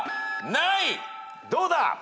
どうだ？